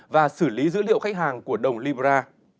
và xử lý dữ liệu khách hàng của đồng libra